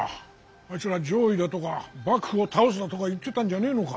あいつら攘夷だとか幕府を倒すだとか言ってたんじゃねぇのか。